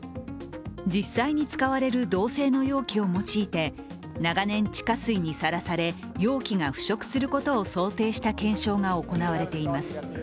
実際に使われる銅製の容器を用いて、長年、地下水にさらされ容器が腐食することを想定した検証が行われています。